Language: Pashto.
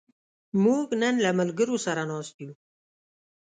موږ نن د ملګرو سره ناست یو.